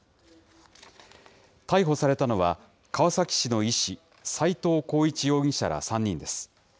逮捕されたのは、川崎市の医師、齋藤浩一容疑者ら３人です。